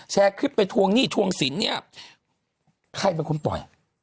แชร์คลิปไปทวงหนี้ทวงสินเนี่ยใครเป็นคนปล่อย